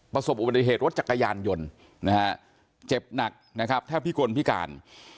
ประสบอุบัติเหตุรถจักรยานยนต์นะฮะเจ็บหนักนะครับแทบพิกลพิการ